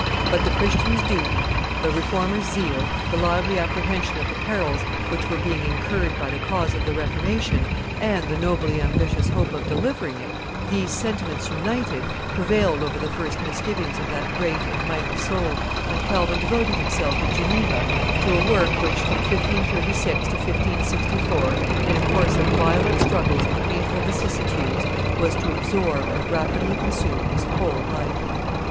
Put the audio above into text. But the Christian's duty, the Reformer's zeal, the lively apprehension of the perils which were being incurred by the cause of the Reformation, and the nobly ambitious hope of delivering it, these sentiments united prevailed over the first misgivings of that great and mighty soul, and Calvin devoted himself in Geneva to a work which, from 1536 to 1564, in a course of violent struggles and painful vicissitudes, was to absorb and rapidly consume his whole life.